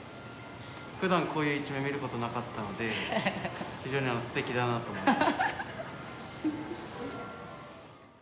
ふだんこういう一面見ることなかったので非常にすてきだなと思って。